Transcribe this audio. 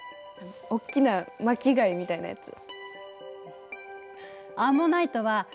おっきな巻き貝みたいなやつ。